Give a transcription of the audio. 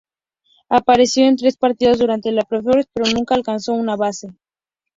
Apareció en tres partidos durante los playoffs, pero nunca alcanzó una base.